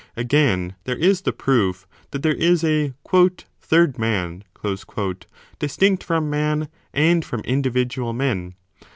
Again, there is the proof that there is a third man distinct from Man and from individual men.